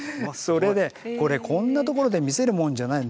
これこんなところで見せるもんじゃない。